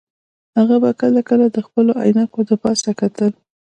هغه به کله کله د خپلو عینکې د پاسه کتل